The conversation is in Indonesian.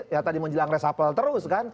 ya tadi menjelang resapel terus kan